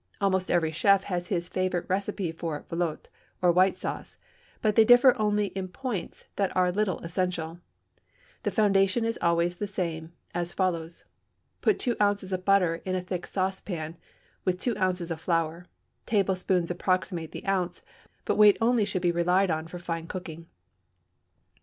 Almost every chef has his favorite recipe for velouté, or white sauce, but they differ only in points that are little essential; the foundation is always the same, as follows: Put two ounces of butter in a thick saucepan with two ounces of flour (tablespoonfuls approximate the ounce, but weight only should be relied on for fine cooking).